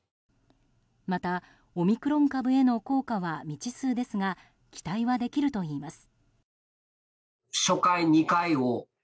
また、オミクロン株への効果は未知数ですが期待はできるといいます。